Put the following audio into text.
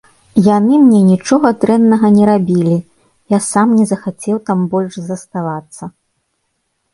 Яны мне нічога дрэннага не рабілі, я сам не захацеў там больш заставацца.